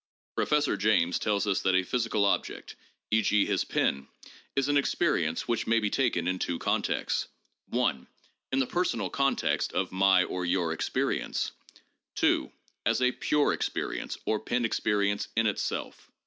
Professor James tells us that a physical object, e. g., his pen, is an experience which may be taken in two contexts: (1) in the per sonal context of my or your experience; (2) as a pure experience or pen experience in itself.